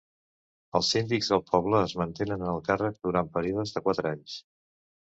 Els síndics del poble es mantenen en el càrrec durant períodes de quatre anys.